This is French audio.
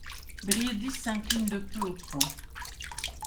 Briedis s'incline de peu aux points.